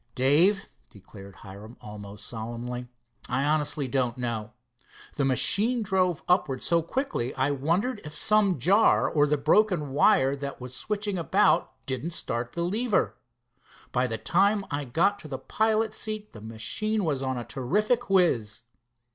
"Dave," declared Hiram almost solemnly, "I honestly don't know. The machine drove upwards so quickly I wondered if some jar or the broken wire that was switching about didn't start the lever. By the time I got to the pilot's seat the machine was on a terrific whiz."